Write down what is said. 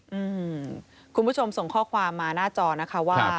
คุณผู้ชมส่งข้อความมาหน้าจอนะคะว่า